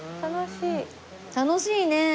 楽しいね。